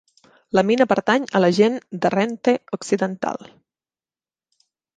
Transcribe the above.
La mina pertany a la gent d'Arrernte Occidental.